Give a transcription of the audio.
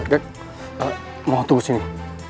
gek mohon tunggu sini